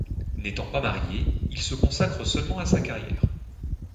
N'étant pas marié il se consacre seulement à sa carrière.